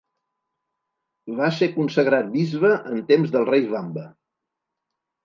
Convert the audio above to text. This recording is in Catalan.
Va ser consagrat bisbe en temps del rei Vamba.